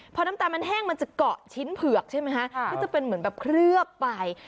พอน้ำตาลมันแห้งมันจะเกาะชิ้นเผือกใช่ไหมคะก็จะเป็นเหมือนแบบเคลือบไป